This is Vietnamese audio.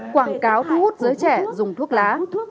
quảng cáo thu hút giới trẻ dùng thuốc lá